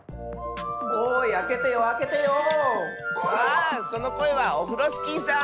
あそのこえはオフロスキーさん。